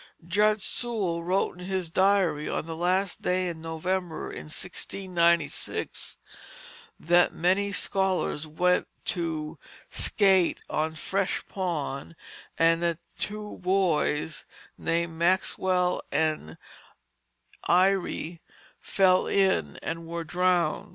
Judge Sewall wrote in his diary on the last day in November, in 1696, that many scholars went to "scate" on Fresh Pond, and that two boys, named Maxwell and Eyre, fell in and were drowned.